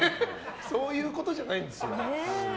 そういうことじゃないんですよ。